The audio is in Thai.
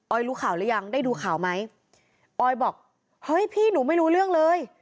รู้ข่าวหรือยังได้ดูข่าวไหมออยบอกเฮ้ยพี่หนูไม่รู้เรื่องเลย